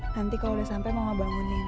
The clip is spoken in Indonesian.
nanti kalau udah sampe mama bangunin